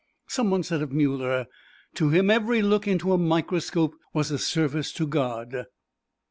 Some one said of Muller, "To him every look into a microscope was a service to God."